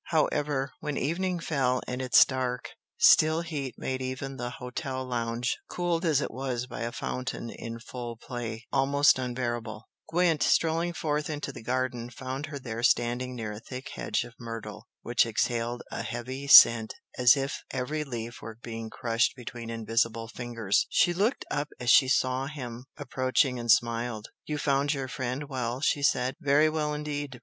However, when evening fell and its dark, still heat made even the hotel lounge, cooled as it was by a fountain in full play, almost unbearable, Gwent, strolling forth into the garden, found her there standing near a thick hedge of myrtle which exhaled a heavy scent as if every leaf were being crushed between invisible fingers. She looked up as she saw him approaching and smiled. "You found your friend well?" she said. "Very well, indeed!"